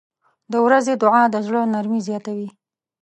• د ورځې دعا د زړه نرمي زیاتوي.